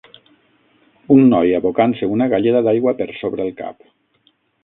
Un noi abocant-se una galleda d'aigua per sobre el cap.